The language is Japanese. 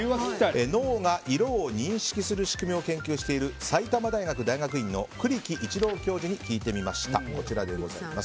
脳が色を認識する仕組みを研究している埼玉大学大学院の栗木一郎教授に聞いてみました。